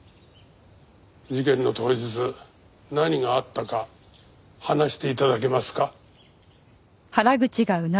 事件の当日何があったか話して頂けますか？